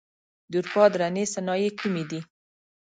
د اروپا درنې صنایع کومې دي؟